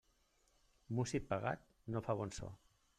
Músic pagat no fa bon so.